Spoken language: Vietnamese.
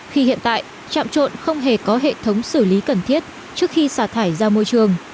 khi hiện tại trạm trộn không hề có hệ thống xử lý cần thiết trước khi xả thải ra môi trường